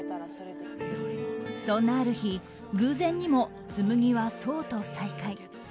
そんなある日、偶然にも紬は想と再会。